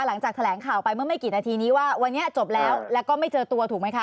หลังจากแถลงข่าวไปเมื่อไม่กี่นาทีนี้ว่าวันนี้จบแล้วแล้วก็ไม่เจอตัวถูกไหมคะ